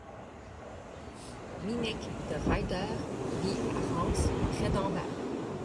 Minneke De Ridder vit à Ranst, près d'Anvers.